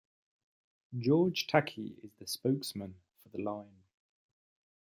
George Takei is the spokesman for the line.